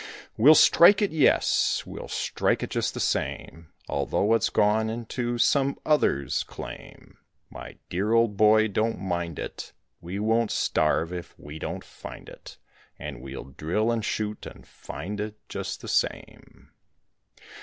"We'll strike it, yes, we'll strike it just the same, Although it's gone into some other's claim. My dear old boy don't mind it, we won't starve if we don't find it, And we'll drill and shoot and find it just the same.